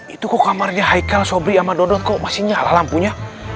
itu kok kamarnya haikal sobri sama dodon kok masih nyala lampunya